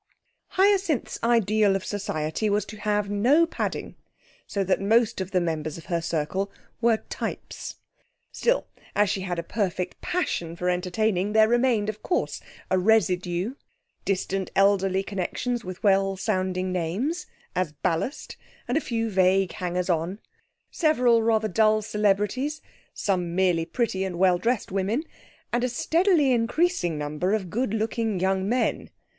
Hyacinth's ideal of society was to have no padding, so that most of the members of her circle were types. Still, as she had a perfect passion for entertaining, there remained, of course, a residue; distant elderly connections with well sounding names (as ballast), and a few vague hangers on; several rather dull celebrities, some merely pretty and well dressed women, and a steadily increasing number of good looking young men.